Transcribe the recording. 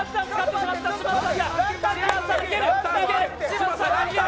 嶋佐さん、逃げる。